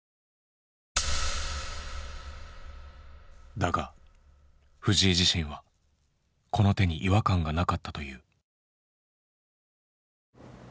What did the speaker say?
だが藤井自身はこの手に違和感がなかったという。